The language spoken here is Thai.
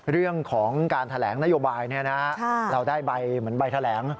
เรื่องของการแถลงนโยบายเราได้ใบเหมือนใบแถลง